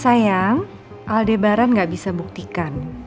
sayang aldebaran gak bisa buktikan